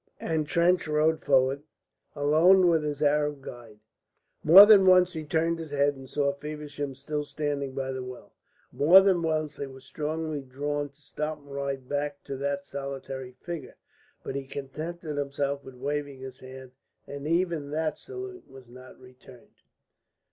And Trench rode forward, alone with his Arab guide. More than once he turned his head and saw Feversham still standing by the well; more than once he was strongly drawn to stop and ride back to that solitary figure, but he contented himself with waving his hand, and even that salute was not returned.